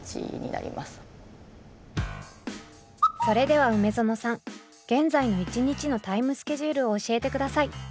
それでは楳園さん現在の１日のタイムスケジュールを教えてください！